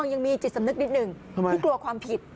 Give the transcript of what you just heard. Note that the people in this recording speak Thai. ยังมีจิตสำนึกนิดหนึ่งที่กลัวความผิด